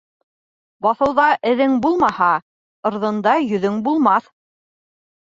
Баҫыуҙа эҙең булмаһа, Ырҙында йөҙөң булмаҫ.